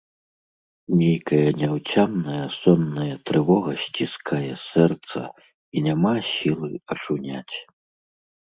Нейкая няўцямная сонная трывога сціскае сэрца, і няма сілы ачуняць.